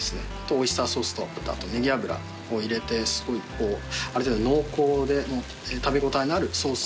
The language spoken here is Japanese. オイスターソースとネギ油も入れてある程度濃厚で食べ応えのあるソース。